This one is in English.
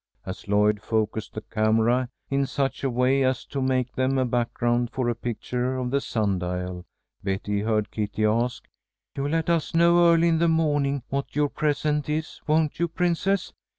As Lloyd focussed the camera in such a way as to make them a background for a picture of the sun dial, Betty heard Kitty ask: "You'll let us know early in the morning what your present is, won't you, Princess?"